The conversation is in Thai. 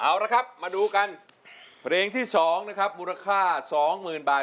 เอาละครับมาดูกันเพลงที่๒นะครับมูลค่า๒๐๐๐บาท